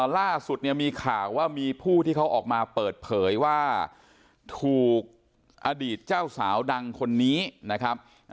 ล่าสุดเนี่ยมีข่าวว่ามีผู้ที่เขาออกมาเปิดเผยว่าถูกอดีตเจ้าสาวดังคนนี้นะครับ